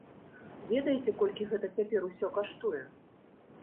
Ведаеце, колькі гэта цяпер усё каштуе?